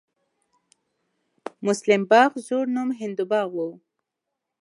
مسلم باغ زوړ نوم هندو باغ و